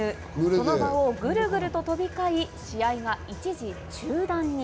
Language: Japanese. その場をグルグルと飛び交い、試合が一時中断に。